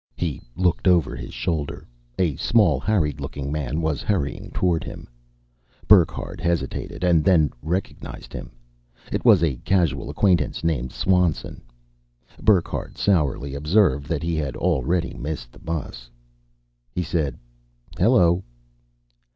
He looked over his shoulder; a small harried looking man was hurrying toward him. Burckhardt hesitated, and then recognized him. It was a casual acquaintance named Swanson. Burckhardt sourly observed that he had already missed the bus. He said, "Hello."